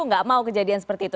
nggak mau kejadian seperti itu